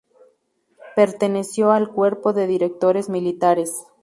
Perteneció al Cuerpo de Directores Militares.